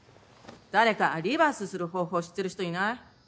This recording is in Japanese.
誰かリバースする方法知ってる人いない？